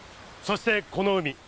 そしてこの海。